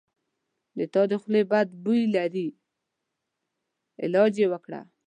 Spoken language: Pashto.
د تا د خولې بد بوي لري علاج یی وکړه